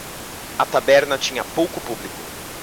A taberna tinha pouco público.